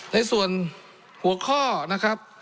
ในส่วนหัวข้อนะครับ